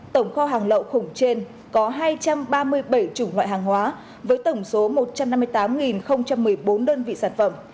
tổng kho hàng lậu khủng trên có hai trăm ba mươi bảy chủng loại hàng hóa với tổng số một trăm năm mươi tám một mươi bốn đơn vị sản phẩm